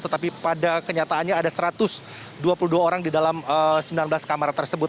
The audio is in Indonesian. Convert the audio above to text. tetapi pada kenyataannya ada satu ratus dua puluh dua orang di dalam sembilan belas kamar tersebut